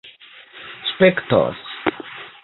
spektos